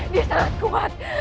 dia sangat kuat